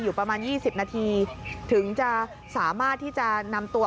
ประมาณ๒๐นาทีถึงจะสามารถที่จะนำตัว